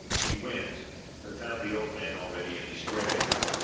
He went, but found the old man already in his grave.